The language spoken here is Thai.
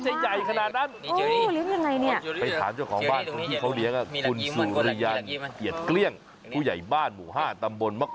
เฮ้ยคุณเคยเห็นหอยใหญ่ขนาดนี้ไหมเห้อ